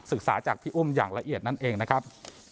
จากพี่อุ้มอย่างละเอียดนั่นเองนะครับ